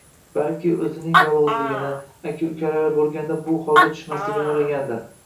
Balki oʻzining yolgʻizligini, aka-ukalari boʻlganda bu holga tushmasligini oʻylagandir.